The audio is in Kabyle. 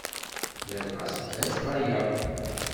Ladɣa sseqdaceɣ aya.